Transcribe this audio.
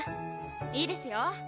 いいですよ。